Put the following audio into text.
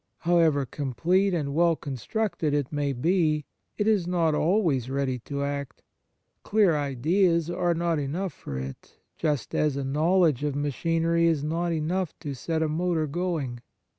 However complete and well constructed it may be, it is not always ready to act. Clear ideas are not enough for it, just as a knowledge of machinery is not enough to set a motor going.